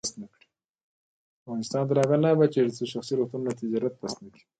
افغانستان تر هغو نه ابادیږي، ترڅو شخصي روغتونونه تجارت بس نکړي.